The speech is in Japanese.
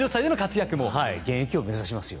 現役を目指しますよ。